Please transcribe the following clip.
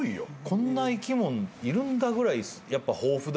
こんな生き物いるんだぐらいやっぱ豊富だよね。